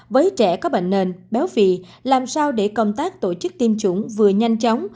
với trẻ có bệnh nền béo phì làm sao để công tác tổ chức tiêm chủng vừa nhanh chóng